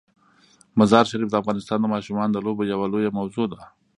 مزارشریف د افغانستان د ماشومانو د لوبو یوه لویه موضوع ده.